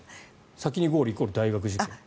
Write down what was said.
先にゴールイコール大学受験。